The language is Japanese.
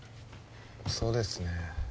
そうですね